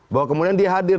bahwa kemudian dia hadir